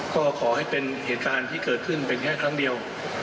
ก็ขอให้เป็นเหตุการณ์ที่เกิดขึ้นเป็นแค่ครั้งเดียว